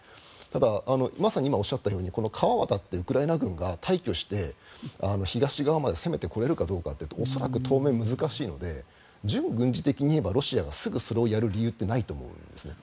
ただ、まさに今おっしゃったように川を渡ってウクライナ軍が大挙して東側まで攻めてこれるかって恐らく当面は難しいので純軍事的に言えばロシアがすぐにそれをやる理由はないと思うんですね。